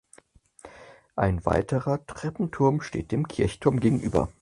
Ein weiterer Treppenturm steht dem Kirchturm gegenüber.